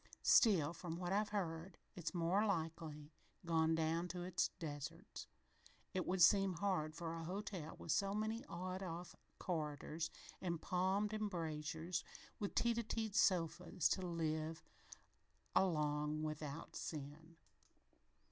"Still, from what I've heard, it's more likely gone down to its deserts. It would seem hard for a hotel with so many awned off corridors an' palmed embrasures with teet a teet sofas, to live along without sin."